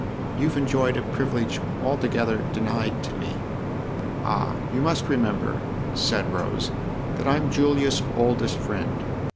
" You've enjoyed a privilege altogether denied to me." "Ah, you must remember," said Rose, "that I'm Julia's oldest friend.